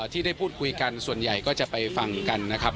ที่ได้พูดคุยกันส่วนใหญ่ก็จะไปฟังกันนะครับ